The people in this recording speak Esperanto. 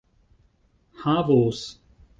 havos